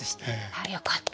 ああよかった。